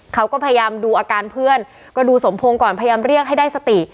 เขาก็พยายามดูอาการเพื่อนก็ดูสมพงศ์ก่อนพยายามเรียกให้ได้สติ